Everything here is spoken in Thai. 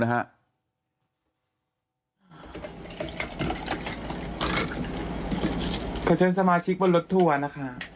เพราะฉะนั้นสมาชิกวันรถทัวร์นะคะ